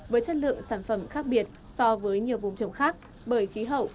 với chất lượng sản phẩm khác biệt so với nhiều vùng trồng khác bởi khí hậu